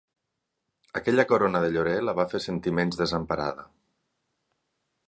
Aquella corona de llorer la va fer sentir menys desemparada.